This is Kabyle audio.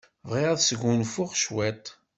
Bɣiɣ ad sgunfuɣ cwiṭ.